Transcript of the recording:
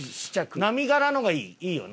波柄の方がいいよな？